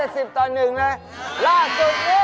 ล่าสุดนี้เป็นไงครับ